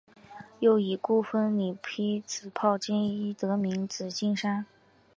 又以孤峰似披紫袍金衣得名紫金山。